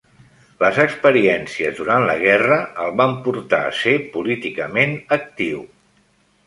Les experiències durant la guerra el van portar a ser políticament actiu.